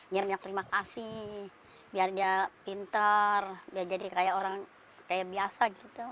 nyirminya terima kasih biar dia pinter biar jadi kayak orang biasa gitu